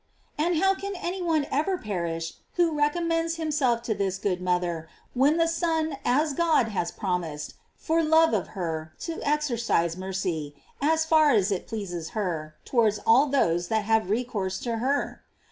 And how can any one ever perish who recom mends himself to this good mother, when the Son, as God, has promised, for love of her, to exercise mercy, as far as it pleases her, towards all those that have recourse to her?